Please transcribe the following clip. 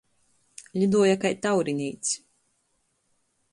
Liduoja kai taurineits.